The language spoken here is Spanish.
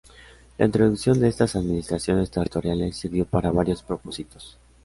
La introducción de estas administraciones territoriales sirvió para varios propósitos.